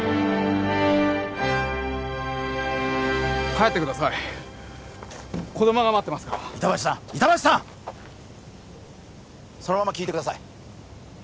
帰ってください子供が待ってますから板橋さん板橋さん！そのまま聞いてください